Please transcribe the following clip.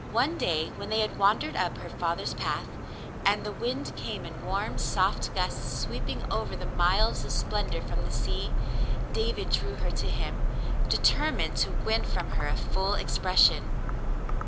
One day when they had wandered up her father's path, and the mnd came in warm, soft gusts, sweeping over the miles of splendor from the sea, David drew her to him, determined to win from her a full expression.